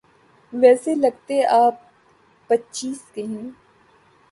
ویسے لگتے آپ پچیس کے ہیں۔